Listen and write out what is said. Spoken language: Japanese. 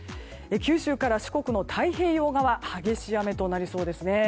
九州から四国の太平洋側激しい雨となりそうですね。